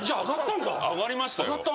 上がりましたよ。